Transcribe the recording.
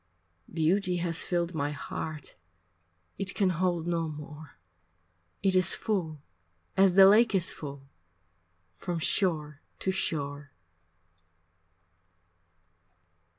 Beauty has filled my heart, It can hold no more, It is full, as the lake is full, From shore to shore.